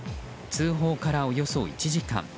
通報からおよそ１時間。